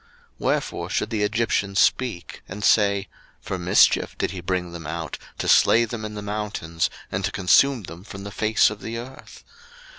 02:032:012 Wherefore should the Egyptians speak, and say, For mischief did he bring them out, to slay them in the mountains, and to consume them from the face of the earth?